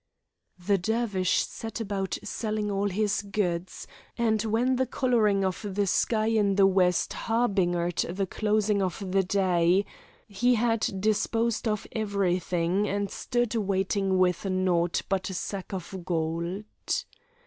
The Dervish set about selling all his goods; and when the coloring of the sky in the west harbingered the closing of the day, he had disposed of everything and stood waiting with naught but a sack of gold.